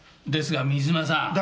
ですが水間さん。